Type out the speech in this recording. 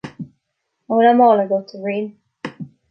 An bhfuil an mála agat, a Bhriain